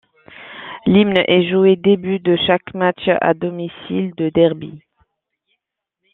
L'hymne est joué début de chaque match à domicile de Derby.